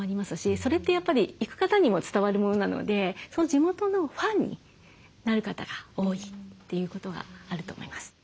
それってやっぱり行く方にも伝わるものなのでその地元のファンになる方が多いということがあると思います。